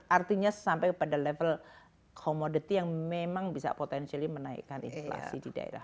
artinya sampai pada level komoditi yang memang bisa potensial menaikkan inflasi di daerah